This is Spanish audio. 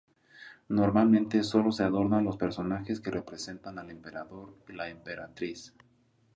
Normalmente sólo se adornan los personajes que representan al Emperador y la Emperatriz.